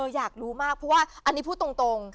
อยากรู้มากเพราะว่าอันนี้พูดตรง